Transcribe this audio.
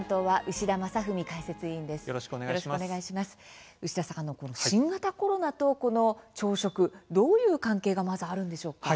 牛田さん新型コロナと朝食どういう関係がまずあるのでしょうか。